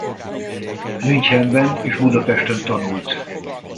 Münchenben és Budapesten tanult.